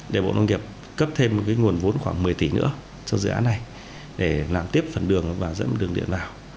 để bộ nông nghiệp cấp thêm nguồn vốn khoảng một mươi tỷ nữa cho dự án này để làm tiếp phần đường và dẫn đường điện vào